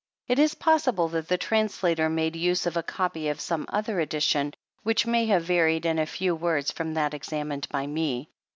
It is possible that the translator made use of a copy of some other edition which may have varied in a few words from that examined by me.